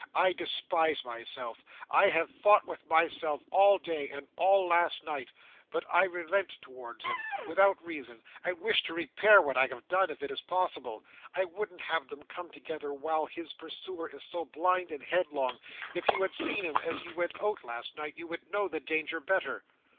I despise myself; I have fought with myself all day, and all last night; but I relent towards him without reason, and wish to repair what I have done, if it is possible. I wouldn't have them come together while his pursuer is so blind and headlong. If you had seen him as he went out last night, you would know the danger better."